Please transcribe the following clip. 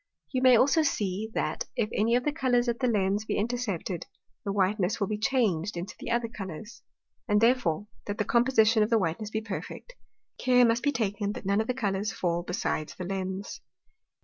You may also see, that, if any of the Colours at the Lens be intercepted, the whiteness will be changed into the other Colours. And therefore, that the Composition of whiteness be perfect, care must be taken that none of the Colours fall besides the Lens.